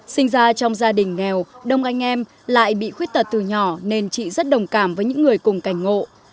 sinh ra trong gia đình nghèo đông anh em lại bị khuyết tật từ nhỏ nên chị rất đồng cảm với những người cùng cảnh ngộ